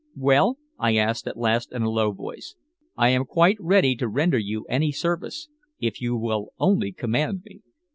"Well?" I asked at last in a low voice. "I am quite ready to render you any service, if you will only command me."